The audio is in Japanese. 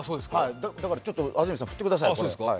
だからちょっと、安住さん振ってください。